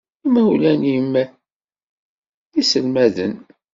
Imawlan-nnem d iselmaden?